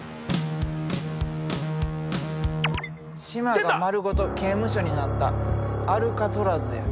島が丸ごと刑務所になったアルカトラズや。